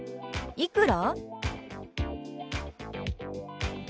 「いくら？」。